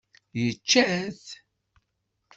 Yečča-t?